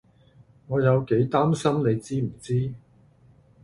我有幾擔心你知唔知？